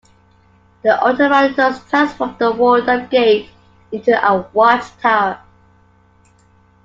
The Ottoman Turks transformed the walled-up gate into a watchtower.